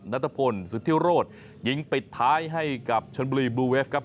นัทพลสุธิโรธยิงปิดท้ายให้กับชนบุรีบลูเวฟครับ